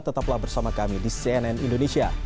tetaplah bersama kami di cnn indonesia